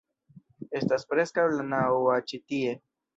Estas preskaŭ la naŭa ĉi tie